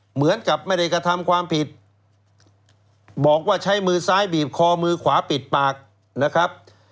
เหมือนกับไม่ได้กระทำความผิดบอกว่าใช้มือซ้ายบีบคอมือขวาปิดปากนะครับ